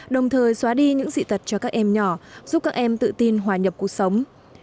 đồng thời xóa đi những dị tật cho các em nhỏ giúp các em tự tin hòa nhập cuộc sống